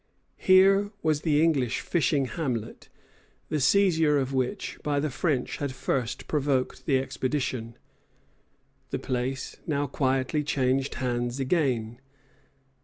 Here was the English fishing hamlet, the seizure of which by the French had first provoked the expedition. The place now quietly changed hands again.